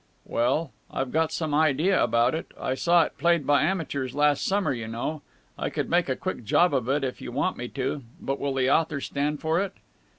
"Well, I've got some idea about it. I saw it played by amateurs last summer, you know. I could make a quick job of it, if you want me to. But will the author stand for it?"